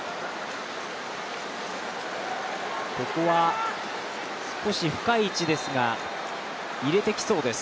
ここは少し深い位置ですが入れてきそうです。